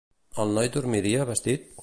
El noi dormiria vestit?